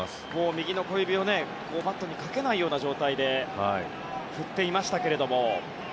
右の小指をバットにかけない状態で振っていましたけれども。